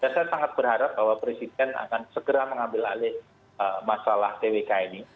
saya sangat berharap bahwa presiden akan segera mengambil alih masalah twk ini